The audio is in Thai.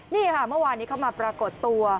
นี่ค่ะเมื่อวานนี้เข้ามาปรากฏตัว